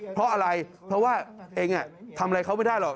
เพราะอะไรเพราะว่าเองทำอะไรเขาไม่ได้หรอก